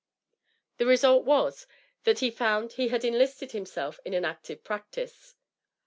The result was, that he found he had enlisted himself in an active practice.